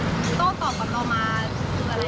ประโยคแรกต้องตอบก่อนเรามา